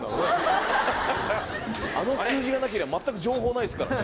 あの数字がなけりゃ全く情報ないですからね。